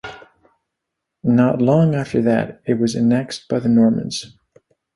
Not long after that, it was annexed by the Normans.